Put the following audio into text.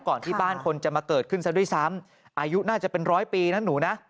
ที่บ้านคนจะมาเกิดขึ้นซะด้วยซ้ำอายุน่าจะเป็นร้อยปีนะหนูนะ